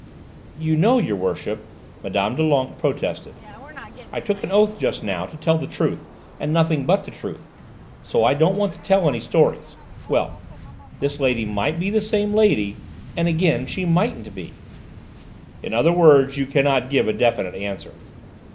"You know, your worship," Mme. Doulenques protested, "I took an oath just now to tell the truth, and nothing but the truth; so I don't want to tell any stories; well, this lady might be the same lady, and again she mightn't be." "In other words, you cannot give a definite answer."